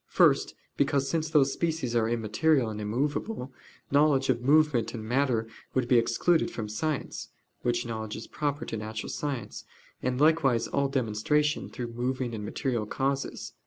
First, because, since those species are immaterial and immovable, knowledge of movement and matter would be excluded from science (which knowledge is proper to natural science), and likewise all demonstration through moving and material causes.